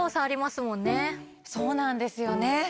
そうなんですよね。